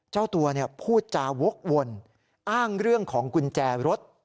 เจ้าตัวพูดจาวกวนอ้างเรื่องของกุญแจรถ